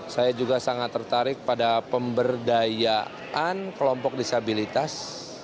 saya juga sangat tertarik pada pemberdayaan kelompok disabilitas